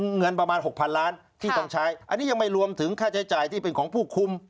เงินประมาณ๖๐๐๐ล้านที่ต้องใช้อันนี้ยังไม่รวมถึงค่าใช้จ่ายที่เป็นของผู้คุม